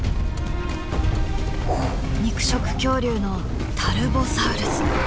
肉食恐竜のタルボサウルス。